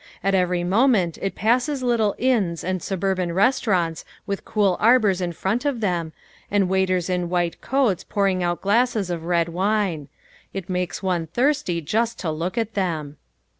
At every moment it passes little inns and suburban restaurants with cool arbours in front of them, and waiters in white coats pouring out glasses of red wine. It makes one thirsty just to look at them.